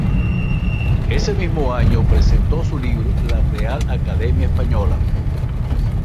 Ese mismo año presentó su libro "La Real Academia Española.